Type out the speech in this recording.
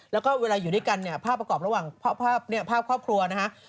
แล้วก็เหลืออยู่ด้วยกันพราบประกอบระหว่างพราบครัวนะฮะ